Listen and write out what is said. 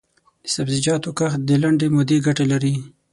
د سبزیجاتو کښت د لنډې مودې ګټه لري.